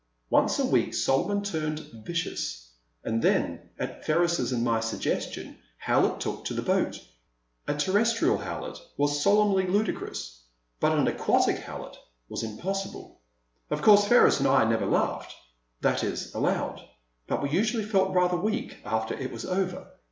Once a week Solomon turned vi cious *' and then, at Ferris* s and my suggestion, Howlett took to the boat. A terrestrial Howlett was solemnly ludicrous, but an aquatic Howlett was impossible. Of course Ferris and I never laughed — that is, aloud, but we usually felt rather weak after it was over.